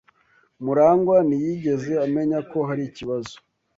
Murangwa ntiyigeze amenya ko hari ikibazo.